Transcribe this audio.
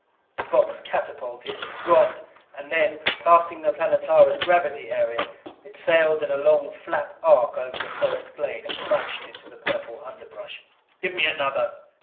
The box catapulted, dropped; and then passing the Planetara's gravity area, it sailed in a long flat arc over the forest glade and crashed into the purple underbrush. "Give me another!"